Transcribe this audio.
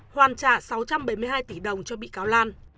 hoàn trả sáu trăm bảy mươi hai tỷ đồng cho bị cáo lan